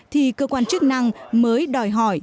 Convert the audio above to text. thì cơ quan chức năng mới đòi hỏi